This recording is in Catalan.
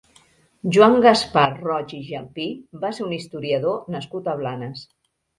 Joan Gaspar Roig i Jalpí va ser un historiador nascut a Blanes.